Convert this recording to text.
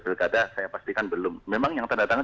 pilkada saya pastikan belum memang yang tanda tangan